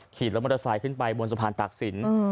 ขี่รถมอเตอร์ไซค์ขึ้นไปบนสะพานตากศิลป์